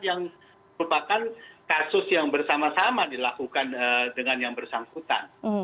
yang merupakan kasus yang bersama sama dilakukan dengan yang bersangkutan